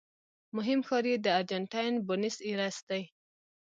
مهم ښار یې د ارجنټاین بونس ایرس دی.